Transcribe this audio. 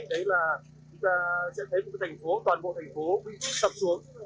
đấy là chúng ta sẽ thấy một thành phố toàn bộ thành phố bị sập xuống